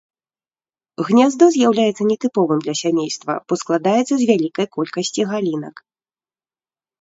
Гняздо з'яўляецца нетыповым для сямейства, бо складаецца з вялікай колькасці галінак.